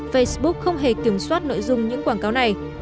facebook không hề kiểm soát nội dung những quảng cáo này